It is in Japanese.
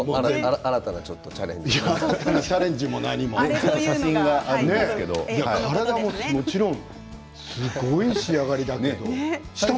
チャレンジも何も体はもちろんすごい仕上がりだね。